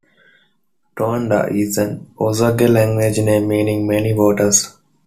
Towanda is an Osage-language name meaning "many waters".